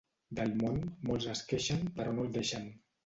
Del món molts es queixen, però no el deixen.